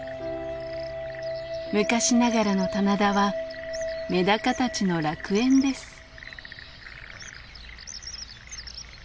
昔ながらの棚田はメダカたちの楽園です。